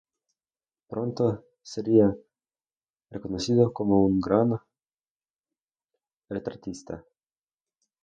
Pronto sería reconocido como un gran retratista.